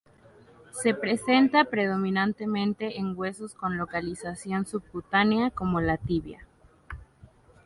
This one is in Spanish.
Se presenta predominantemente en huesos con localización subcutánea como la tibia.